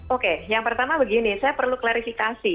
oke yang pertama begini saya perlu klarifikasi